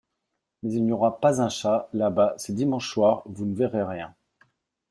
Mais il n’y aura pas un chat, là-bas, c’est dimanche soir, vous ne verrez rien.